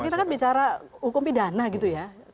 kita kan bicara hukum pidana gitu ya